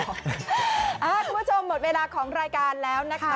คุณผู้ชมหมดเวลาของรายการแล้วนะคะ